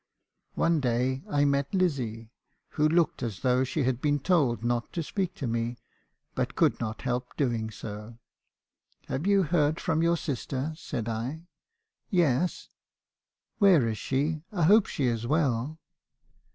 One day I met Lizzie , who looked as though she had been told not to speak to me , but could not help doing so. " 'Have you heard from your sister?' said I. "'Yes.' " 'Where is she? I hope she is well.'